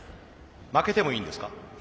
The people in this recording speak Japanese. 負けてもいいんですか？